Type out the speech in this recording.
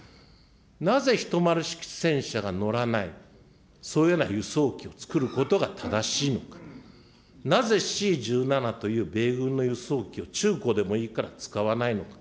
なぜ１０式戦車が乗らない、そういうような輸送機を作ることが正しいのか、なぜＣ１７という米軍の輸送機を中古でもいいから使わないのか。